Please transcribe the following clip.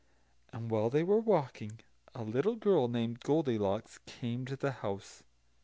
And while they were walking, a little girl named Goldilocks came to the house.